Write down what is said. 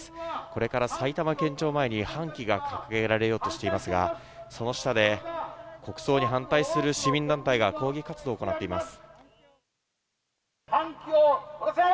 これから埼玉県庁前に半旗が掲げられようとしていますが、その下で国葬に反対する市民団体が抗議活動を行っています。